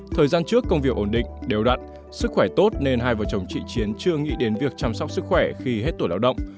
thời gian trước công việc ổn định đều đặn sức khỏe tốt nên hai vợ chồng chị chiến chưa nghĩ đến việc chăm sóc sức khỏe khi hết tuổi lao động